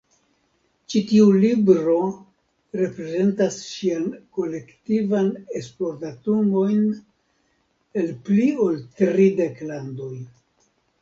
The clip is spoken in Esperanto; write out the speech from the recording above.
Ĉi tiu libro reprezentas ŝian kolektivan esplordatumojn el pli ol tridek landoj.